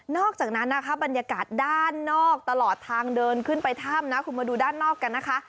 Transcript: อกจากนั้นนะคะบรรยากาศด้านนอกตลอดทางเดินขึ้นไปถ้ำนะคุณมาดูด้านนอกกันนะคะ